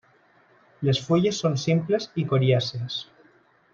Les fulles són simples i coriàcies.